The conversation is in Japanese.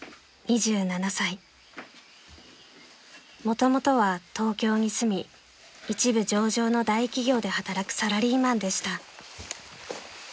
［もともとは東京に住み一部上場の大企業で働くサラリーマンでした］